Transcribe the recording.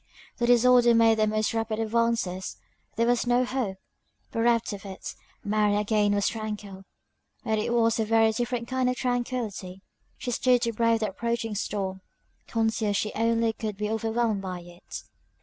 The disorder made the most rapid advances there was no hope! Bereft of it, Mary again was tranquil; but it was a very different kind of tranquillity. She stood to brave the approaching storm, conscious she only could be overwhelmed by it.